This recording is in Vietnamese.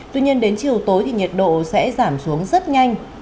tuy nhiên đến chiều tối thì nhiệt độ sẽ giảm xuống rất nhanh